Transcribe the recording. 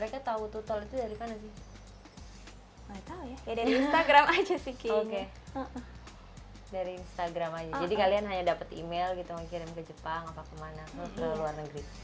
kain beledu dikirim ke jepang atau ke mana mana ke luar negeri